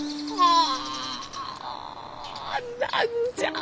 あ。